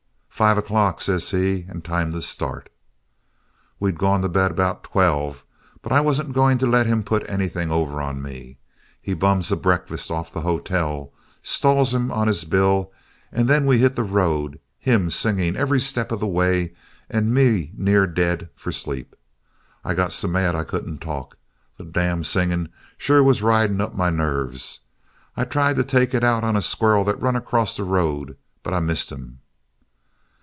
"'Five o'clock,' says he, 'and time to start.' "We'd gone to bed about twelve but I wasn't going to let him put anything over on me. He bums a breakfast off the hotel, stalls 'em on his bill, and then we hit the road, him singing every step of the way and me near dead for sleep. I got so mad I couldn't talk. That damn singing sure was riding my nerves. I tried to take it out on a squirrel that run across the road but I missed him.